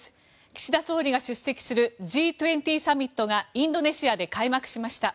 岸田総理が出席するＧ２０サミットがインドネシアで開幕しました。